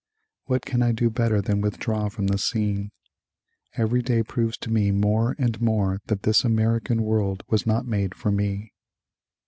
What can I do better than withdraw from the scene? Every day proves to me more and more that this American world was not made for me."